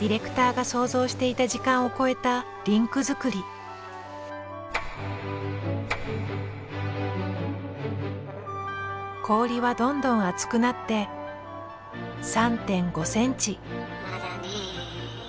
ディレクターが想像していた時間を超えたリンク作り氷はどんどん厚くなって３．５ｃｍまだねえ。